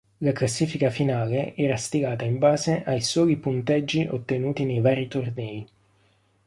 La classifica finale era stilata in base ai soli punteggi ottenuti nei vari tornei.